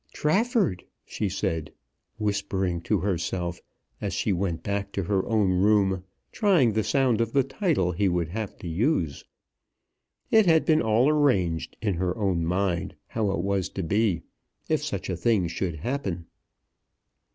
"Trafford," she said, whispering to herself, as she went back to her own room, trying the sound of the title he would have to use. It had been all arranged in her own mind how it was to be, if such a thing should happen.